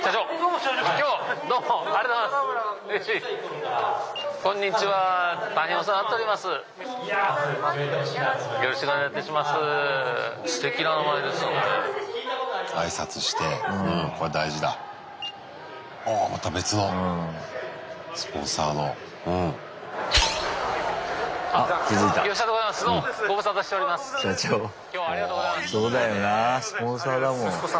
そうだよなあスポンサーだもん。